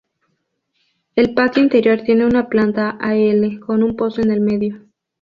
El patio interior tiene una planta a "L" con un pozo en el medio.